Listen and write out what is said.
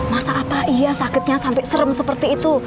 masa apa iya sakitnya sampai serem seperti itu